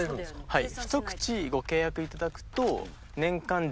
はい。